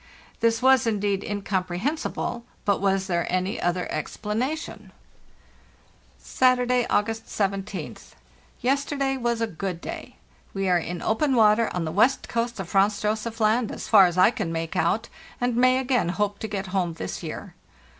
This was indeed incomprehensible; but was there any other explanation ? LAND AT LAST 355 "Saturday, August 17th. Yesterday was a good day. We are in open water on the west coast of Franz Josef Land, as far as I can make out, and may again hope to get home this year.